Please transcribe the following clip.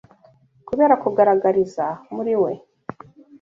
Kubera kugaragariza muri we